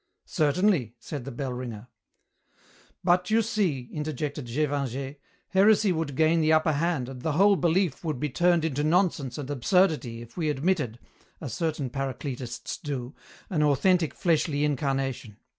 '" "Certainly," said the bell ringer. "But you see," interjected Gévingey, "heresy would gain the upper hand and the whole belief would be turned into nonsense and absurdity if we admitted, as certain Paracletists do, an authentic fleshly incarnation.